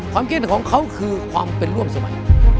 เก้นของเขาคือความเป็นร่วมสมัย